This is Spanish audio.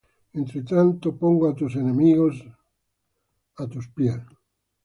Entre tanto que pongo tus enemigos por estrado de tus pies.